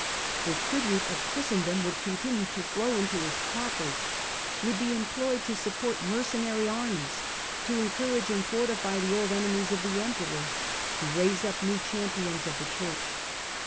The tribute of Christendom would continue to flow into his coffers, would be employed to support mercenary armies, to encourage and fortify the old enemies of the Emperor, to raise up new champions of the Church.